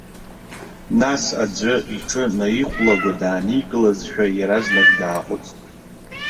Нас аӡәы иҿы неихәлагәа дааникылазшәа, иаразнак дааҟәыҵт.